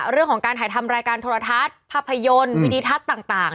เรื่องของการถ่ายทำรายการโทรทัศน์ภาพยนตร์วิดิทัศน์ต่าง